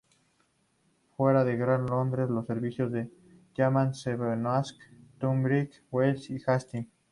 Fuera del Gran Londres, los servicios se llaman en Sevenoaks, Tunbridge Wells y Hastings.